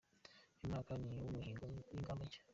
Uyu mwaka ni uw’imihigo n’ingamba nshya.